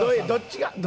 どっちが？